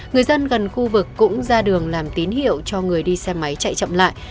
người dân gần khu vực cũng ra đường làm tín hiệu cho người đi xe máy chạy chậm lại